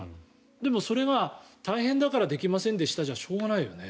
でもそれが、大変だからできませんでしたじゃしょうがないよね。